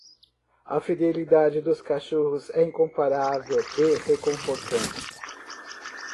A fidelidade dos cachorros é incomparável e reconfortante.